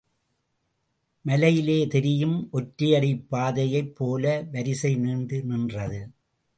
மலையிலே தெரியும் ஒற்றையடிப் பாதையைப் போல வரிசை நீண்டு நின்றது.